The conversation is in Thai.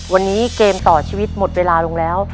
วันนี้เกมต่อชีวิตหมดเวลาลงแล้ว